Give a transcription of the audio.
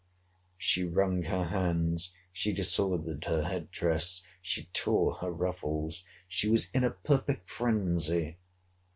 She wrung her hands. She disordered her head dress. She tore her ruffles. She was in a perfect phrensy.